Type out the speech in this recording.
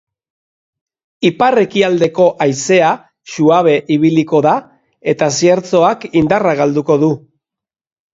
Ipar-ekialdeko haizea suabe ibiliko da eta ziertzoak indarra galduko du.